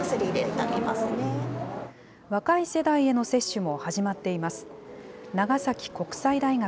若い世代への接種も始まっています。